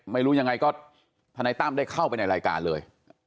ไม่รู้ยังไงก็ธนายตั้มได้เข้าไปในรายการเลย